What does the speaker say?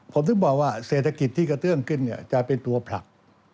ผมถึงบอกว่าเศรษฐกิจที่กระเตื้องขึ้นจะเป็นตัวผลัก